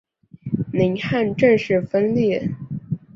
宁汉正式分裂。